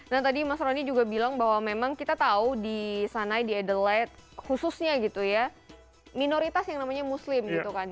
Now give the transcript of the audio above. nah tadi mas roni juga bilang bahwa memang kita tahu di adelaide khususnya minoritas yang namanya muslim